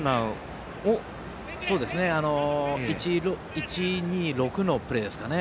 １ー２ー６のプレーですかね。